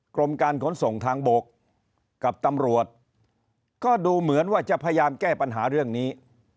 กรมการขนส่งทางบกกับตำรวจก็ดูเหมือนว่าจะพยายามแก้ปัญหาเรื่องนี้